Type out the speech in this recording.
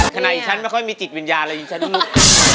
ขณะอีฉันไม่ค่อยมีจิตวิญญาณอะไรอีฉันอีมุก